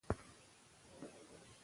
تاریخ د ټولني د تېر وخت هنداره ده.